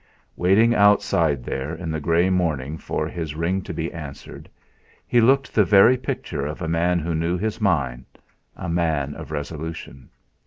Waiting outside there in the grey morning for his ring to be answered, he looked the very picture of a man who knew his mind, a man of resolution.